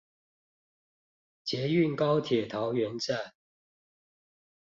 捷運高鐵桃園站